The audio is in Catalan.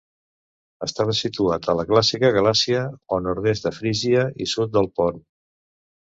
Estava situat a la clàssica Galàcia o nord-est de Frígia, i sud del Pont.